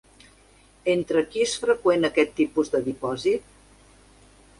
Entre qui és freqüent aquest tipus de dipòsit?